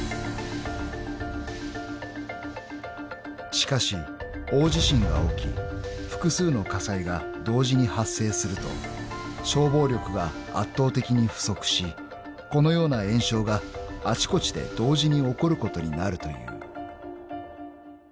［しかし大地震が起き複数の火災が同時に発生すると消防力が圧倒的に不足しこのような延焼があちこちで同時に起こることになるという］